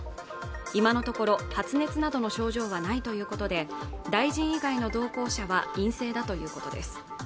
今のところ発熱などの症状はないということで大臣以外の同行者は陰性だということです